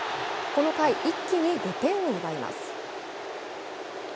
この回一気に５点を奪います。